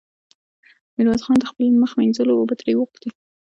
ميرويس خان د مخ مينځلو اوبه ترې وغوښتې.